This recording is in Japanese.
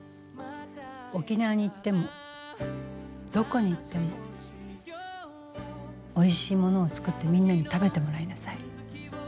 沖縄に行ってもどこに行ってもおいしいものを作ってみんなに食べてもらいなさい。